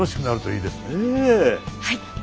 はい。